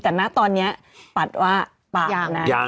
แต่นั้นตอนนี้ปัดว่าปะนะ